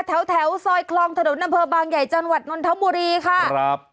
แถวแถวซอยคลองถนนอำเภอบางใหญ่จังหวัดนนทบุรีค่ะครับ